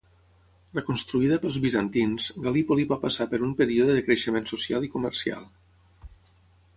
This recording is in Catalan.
Reconstruïda pels bizantins, Gallipoli va passar per un període de creixement social i comercial.